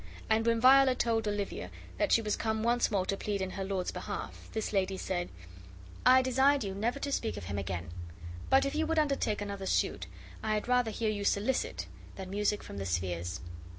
And when Viola told Olivia that she was come once more to plead in her lord's behalf, this lady said: "I desired you never to speak of him again; but if you would undertake another suit, I had rather hear you solicit, than music from the spheres."